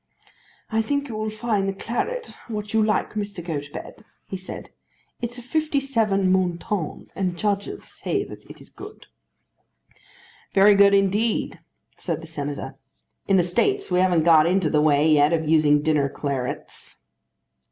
"I think you will find that claret what you like, Mr. Gotobed," he said. "It's a '57 Mouton, and judges say that it is good." "Very good indeed," said the Senator. "In the States we haven't got into the way yet of using dinner clarets."